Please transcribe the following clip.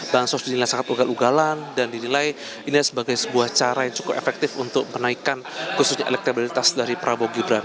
bansos dinilai sangat ugal ugalan dan dinilai ini sebagai sebuah cara yang cukup efektif untuk menaikkan khususnya elektabilitas dari prabowo gibran